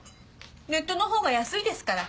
ネットのほうが安いですから。